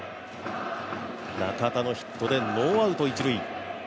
中田のヒットでノーアウト一塁。